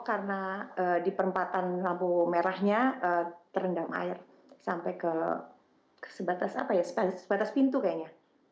karena di perempatan lampu merahnya terendam air sampai ke sebatas pintu kayaknya